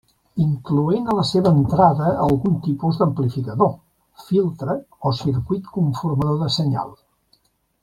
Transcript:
Incloent a la seva entrada algun tipus d'amplificador, filtre o circuit conformador de senyal.